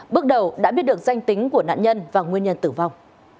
bước đầu đã biết được danh tính của nạn nhân và nguyên nhân tử vong